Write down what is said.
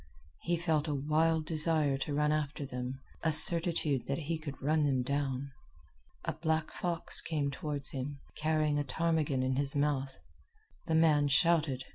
He felt a wild desire to run after them, a certitude that he could run them down. A black fox came toward him, carrying a ptarmigan in his mouth. The man shouted.